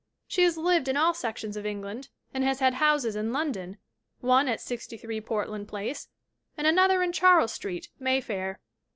She has lived in all sections of England and has had houses in London ; one at 63 Portland Place, and another in Charles Street, Mayfair.